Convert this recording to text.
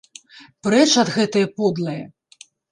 Прэч ад гэтае подлае!